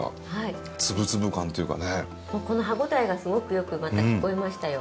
この歯ごたえがすごくよく聞こえましたよ。